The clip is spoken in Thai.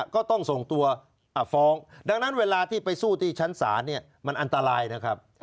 ก็ต้องส่งตัวฟ้องดังนั้นเวลาที่ไปสู้ที่ชั้นศาลเนี่ยมันอันตรายนะครับ